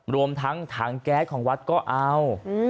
รวมทั้งทางแก๊คของวัดก็อ้าว